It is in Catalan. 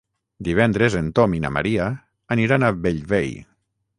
Divendres en Tom i na Maria aniran a Bellvei.